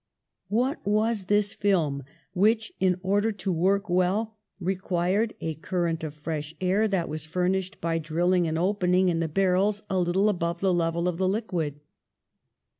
What was this film which, in order to work well, required a current of fresh air that was furnished by drilling an opening in the barrels a little above the level of the liquid?